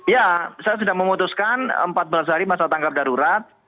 ya saya sudah memutuskan empat belas hari masa tanggap darurat